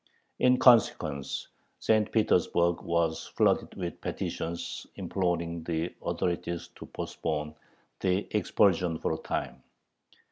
In consequence, St. Petersburg was flooded with petitions imploring the authorities to postpone the expulsion for a time.